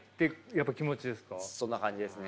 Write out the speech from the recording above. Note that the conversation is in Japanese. そんな感じですね。